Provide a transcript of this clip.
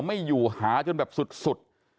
ไม่อยู่หาจนแบบสุด